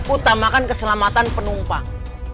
utamakan keselamatan penumpang